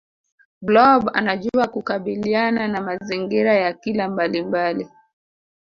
blob anajua kukabiliana na mazingira ya kila mbalimbali